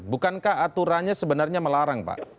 bukankah aturannya sebenarnya melarang pak